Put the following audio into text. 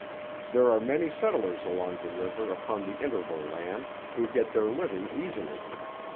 There are many settlers along the river upon the interval land, who get their living easily.